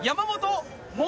山本